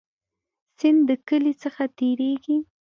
سیند د کلی څخه تیریږي